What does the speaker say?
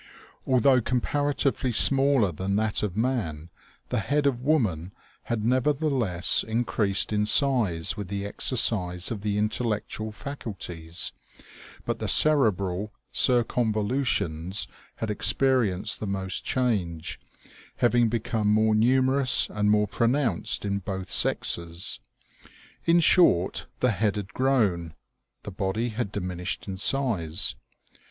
Although compara tively smaller than that of man, the head of woman had nevertheless increased in size with the exercise of the intellectual faculties ; but the cerebral circonvolutions had experienced the most change, having become more numer ous and more pronounced in both sexes. In short, the head had grown, the body had diminished in size.